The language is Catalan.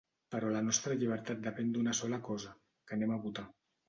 Però la nostra llibertat depèn d’una sola cosa: que anem a votar.